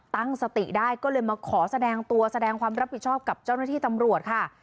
ตั้งสติได้ก็เลยมาขอแสดงตัวแสดงความรับผิดชอบกับเจ้าหน้าที่ตำรวจค่ะ